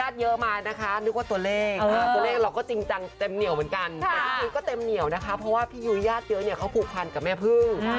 เต็มเหนียวไปเลยเพลง